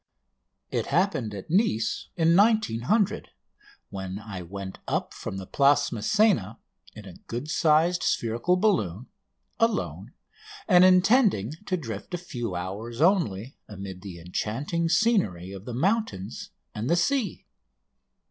It happened at Nice in 1900, when I went up from the Place Masséna in a good sized spherical balloon, alone, and intending to drift a few hours only amid the enchanting scenery of the mountains and the sea.